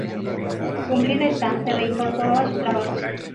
Cumplida esta, se reincorporó a su trabajo.